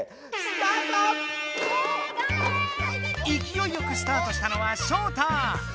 いきおいよくスタートしたのはショウタ！